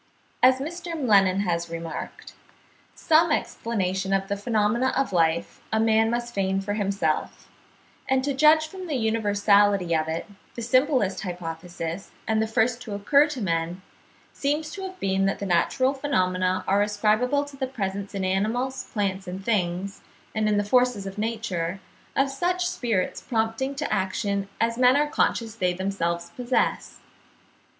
As Mr. M'Lennan (75. 'The Worship of Animals and Plants,' in the 'Fortnightly Review,' Oct. 1, 1869, p. 422.) has remarked, "Some explanation of the phenomena of life, a man must feign for himself, and to judge from the universality of it, the simplest hypothesis, and the first to occur to men, seems to have been that natural phenomena are ascribable to the presence in animals, plants, and things, and in the forces of nature, of such spirits prompting to action as men are conscious they themselves possess."